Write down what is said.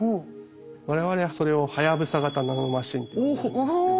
我々はそれを「はやぶさ型ナノマシン」って呼んでるんですけど。